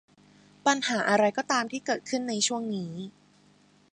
ปัญหาอะไรก็ตามที่เกิดขึ้นในช่วงนี้